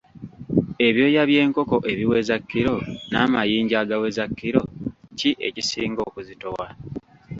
Ebyoya by'enkoko ebiweza kiro n'amayinja agaweza kiro ki ekisinga okuzitowa?